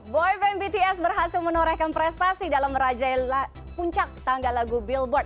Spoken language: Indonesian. boyban bts berhasil menorehkan prestasi dalam merajai puncak tangga lagu billboard